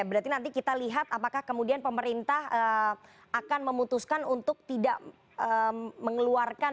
berarti nanti kita lihat apakah kemudian pemerintah akan memutuskan untuk tidak mengeluarkan